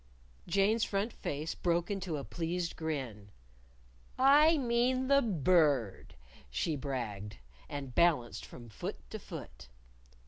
_" Jane's front face broke into a pleased grin. "I mean the Bird," she bragged And balanced from foot to foot.